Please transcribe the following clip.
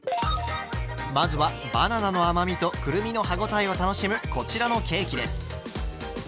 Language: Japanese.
まずはバナナの甘みとくるみの歯応えを楽しむこちらのケーキです。